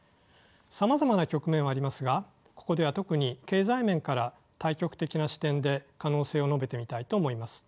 さまざまな局面はありますがここでは特に経済面から大局的な視点で可能性を述べてみたいと思います。